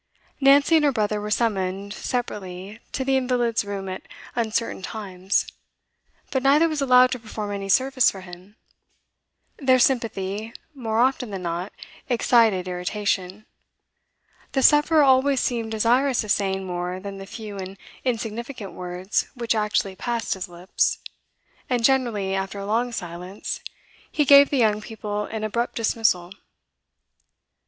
Nancy and her brother were summoned, separately, to the invalid's room at uncertain times, but neither was allowed to perform any service for him; their sympathy, more often than not, excited irritation; the sufferer always seemed desirous of saying more than the few and insignificant words which actually passed his lips, and generally, after a long silence, he gave the young people an abrupt dismissal.